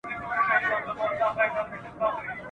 با غوا نه ولي وه با غچې ته بهاران نه راځي